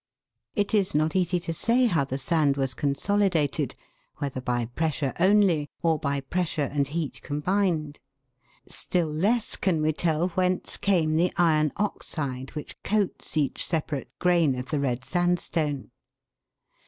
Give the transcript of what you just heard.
It is not easy to say how the sand was consolidated, whether by pressure only, or by pressure and heat combined ; still less can we tell whence ii2 THE WORLD'S LUMBER ROOM. came the iron oxide which coats each separate grain of the red sandstone.